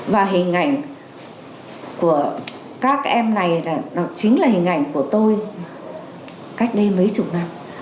và hình ảnh của các em này chính là hình ảnh của tôi cách đây mấy chục năm